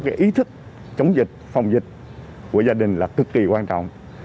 cái ý thức chống dịch phòng dịch của gia đình là cực kỳ quan trọng